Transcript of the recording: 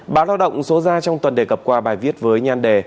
báo lao động số ra trong tuần đề cập qua bài viết với nhan đề